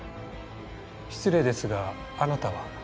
失礼ですがあなたは？